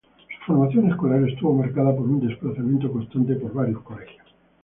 Su formación escolar estuvo marcada por un desplazamiento constante por varios colegios.